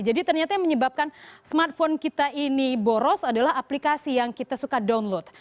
jadi ternyata yang menyebabkan smartphone kita ini boros adalah aplikasi yang kita suka download